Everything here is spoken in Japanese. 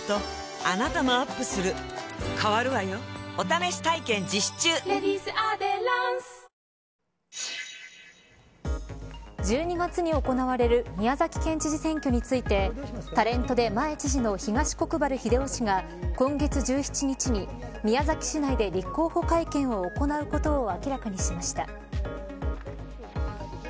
尽くせり１２月に行われる宮崎県知事選挙についてタレントで前知事の東国原英夫氏が今月１７日に宮崎市内で立候補会見を行うことを明らかにしました。